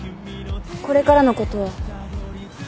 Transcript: これからのことは？